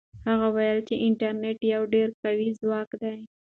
هغه وویل چې انټرنيټ یو ډېر قوي ځواک دی.